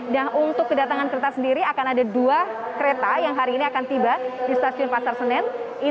nah untuk kedatangan kereta sendiri akan ada dua kereta yang hari ini akan tiba di stasiun pasar senen